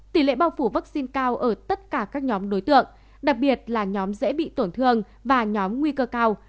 tỷ lệ bao phủ vaccine cao ở tất cả các nhóm đối tượng đặc biệt là nhóm dễ bị tổn thương và nhóm nguy cơ cao